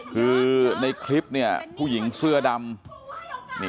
คือในคลิปผู้หญิงเสื้อดำ